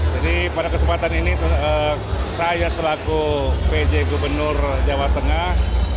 jadi pada kesempatan ini saya selaku pj gubernur jawa tengah